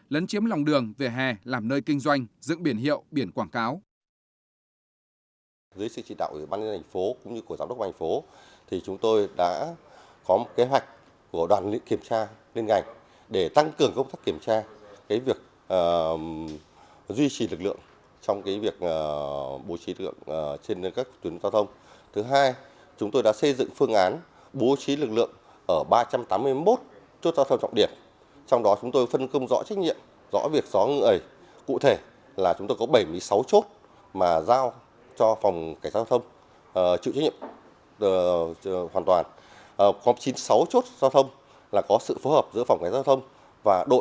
lấn chiếm lòng đường vỉa hè làm nơi kinh doanh dựng biển hiệu biển quảng cáo